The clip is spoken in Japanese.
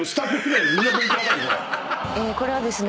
これはですね